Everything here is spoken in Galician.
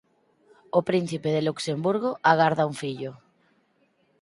O príncipe de Luxemburgo agarda un fillo